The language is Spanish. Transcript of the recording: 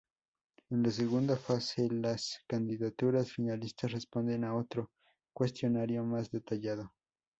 En la segunda fase, las candidaturas finalistas responden a otro cuestionario más detallado.